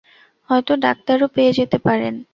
হয়ত ডাক্তারও পেয়ে যেতে পারেন।